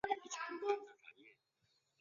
泽番椒为玄参科泽番椒属下的一个种。